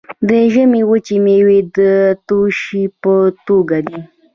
د ژمي وچې میوې د توشې په توګه دي.